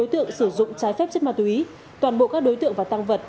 đối tượng sử dụng trái phép chất ma túy toàn bộ các đối tượng và tăng vật